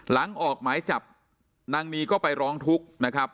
ออกหมายจับนางนีก็ไปร้องทุกข์นะครับ